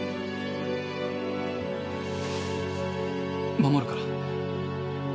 守るから。